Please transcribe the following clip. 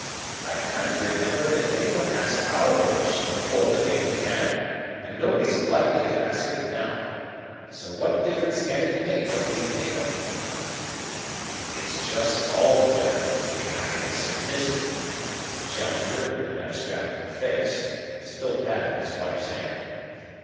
"I can't remember that anyone asked our permission before the thing began, and nobody's likely to ask it now. So what difference can it make what we may think of it?" "It is just all the difference between happiness and misery," said Challenger with an abstracted face, still patting his wife's hand.